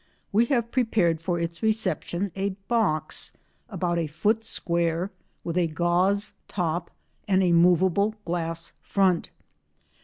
We have prepared for its reception a box about a foot square, with a gauze top and a movable glass front.